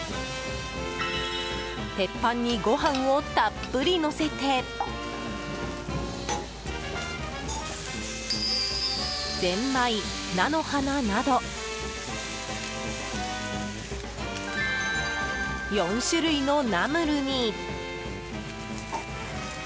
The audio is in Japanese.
鉄板にご飯をたっぷりのせてゼンマイ、菜の花など４種類のナムルに。